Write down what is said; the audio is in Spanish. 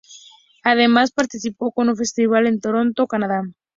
Además, participó en un festival en Toronto, Canadá.